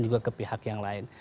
juga ke pihak yang lain